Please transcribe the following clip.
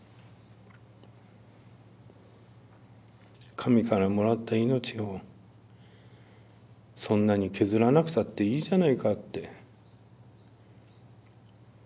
神からもらった命をそんなに削らなくたっていいじゃないかって。